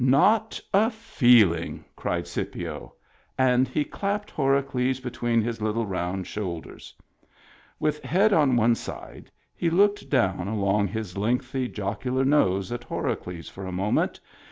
" Not a feeling !" cried Scipio. And he clapped Horacles between his little round shoul ders. With head on one side, he looked down along his lengthy, jocular nose at Horacles for a moment.